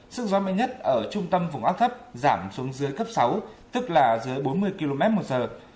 sức gió mạnh nhất ở trung tâm vùng áp thấp giảm xuống dưới cấp sáu tức là dưới bốn mươi km một giờ